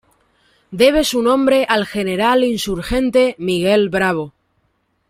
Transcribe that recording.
Debe su nombre al general insurgente Miguel Bravo.